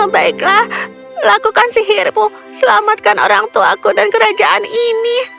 baiklah lakukan sihirmu selamatkan orangtuaku dan kerajaan ini